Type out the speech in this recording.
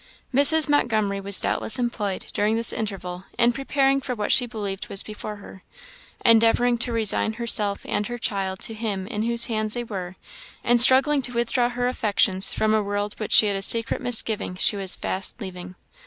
Mrs. Montgomery was doubtless employed, during this interval, in preparing for what she believed was before her; endeavouring to resign herself and her child to Him in whose hands they were, and struggling to withdraw her affections from a world which she had a secret misgiving she was fast leaving.